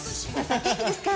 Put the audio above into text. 元気ですか？